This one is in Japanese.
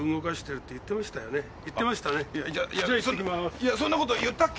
いやそんなことは言ったっけ？